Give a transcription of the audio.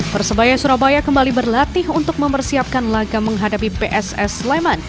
persebaya surabaya kembali berlatih untuk mempersiapkan laga menghadapi pss sleman